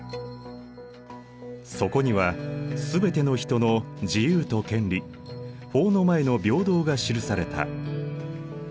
そこには全ての人の自由と権利法の前の平等が記された。